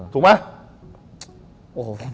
ถูกไหม